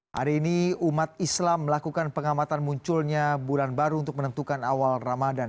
hari ini umat islam melakukan pengamatan munculnya bulan baru untuk menentukan awal ramadan